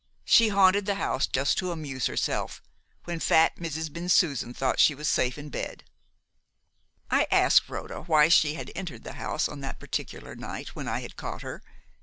She haunted the house just to amuse herself, when fat Mrs. Bensusan thought she was safe in bed. "I asked Rhoda why she had entered the house on that particular night when I had caught her.